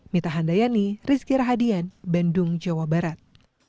mita handayani rizky rahadian bandung jawa barat